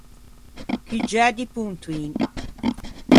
Cuggiæ di pontoin.